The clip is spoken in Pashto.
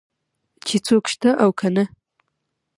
چې څوک شته او که نه.